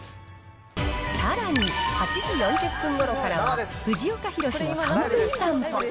さらに８時４０分ごろからは、藤岡弘、の３分散歩。